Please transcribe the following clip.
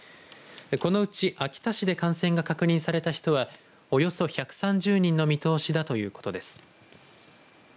このうち秋田市で感染が確認された人はおよそ１３０人の見通しだということです。